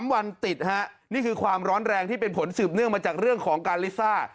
๓วันติดฮะนี่คือความร้อนแรงที่เป็นผลสืบเนื่องมาจากเรื่องของการลิซ่า